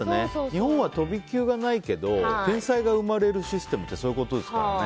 日本は飛び級がないけど天才が生まれるシステムってそういうことですからね。